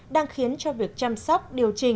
đang khiến cho việc chăm sóc điều trị